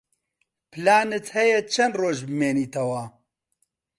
پلانت هەیە چەند ڕۆژ بمێنیتەوە؟